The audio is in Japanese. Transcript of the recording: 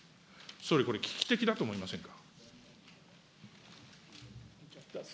総理、これ危機的だと思いませんか。